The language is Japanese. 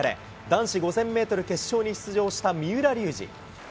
男子５０００メートル決勝に出場した三浦龍司。